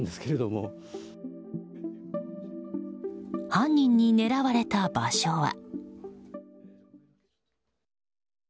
犯人に狙われた場所は。